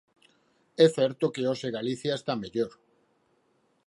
É certo que hoxe Galicia está mellor.